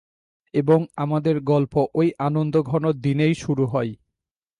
এবং আমাদের গল্প ঐ আনন্দঘন দিনেই শুরু হয়।